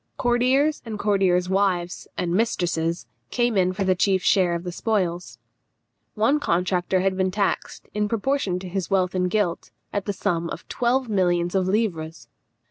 Courtiers and courtiers' wives and mistresses came in for the chief share of the spoils. One contractor had been taxed, in proportion to his wealth and guilt, at the sum of twelve millions of livres.